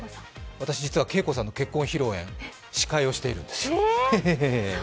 私、実はＫＥＩＫＯさんの結婚披露宴、司会をしているんです。